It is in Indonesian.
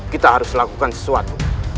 kita harus lakukan sesuatu